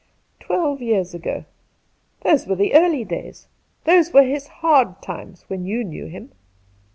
"Twelve years ago. Those were the early days — those were his hard times when you knew him.'